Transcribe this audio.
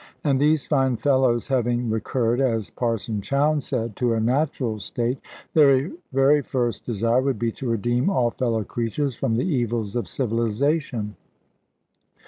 And these fine fellows having recurred (as Parson Chowne said) to a natural state, their very first desire would be to redeem all fellow creatures from the evils of civilisation.